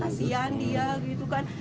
kasian dia gitu kan